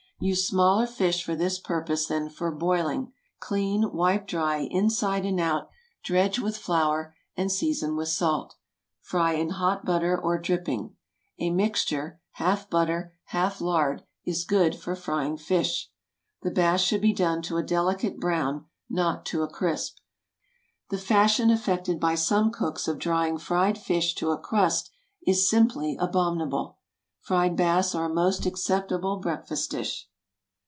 Use smaller fish for this purpose than for boiling. Clean, wipe dry, inside and out, dredge with flour and season with salt. Fry in hot butter or dripping. A mixture, half butter, half lard, is good for frying fish. The bass should be done to a delicate brown—not to a crisp. The fashion affected by some cooks of drying fried fish to a crust is simply abominable. Fried bass are a most acceptable breakfast dish.